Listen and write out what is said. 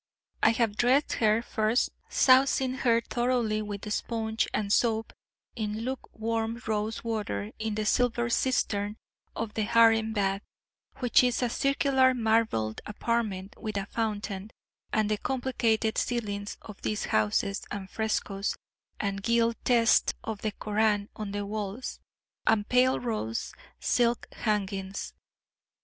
I have dressed her, first sousing her thoroughly with sponge and soap in luke warm rose water in the silver cistern of the harem bath, which is a circular marbled apartment with a fountain and the complicated ceilings of these houses, and frescoes, and gilt texts of the Koran on the walls, and pale rose silk hangings.